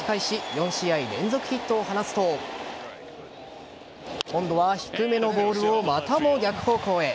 ４試合連続ヒットを放つと今度は低めのボールをまたも逆方向へ。